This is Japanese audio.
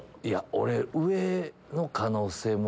俺上の可能性も。